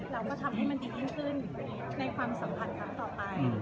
เราก็ทำให้มันดีขึ้นในความสำคัญของต่อไป